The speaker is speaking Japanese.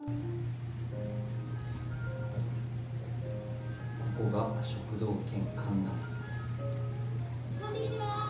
どうぞここが食堂兼歓談室ですこんにちは